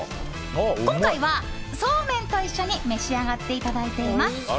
今回はそうめんと一緒に召し上がっていただいています。